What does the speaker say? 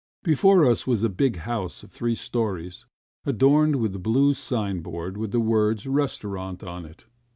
Before us was a big house of three storeys, adorned with a blue signboard with the word "Restaurant" on it.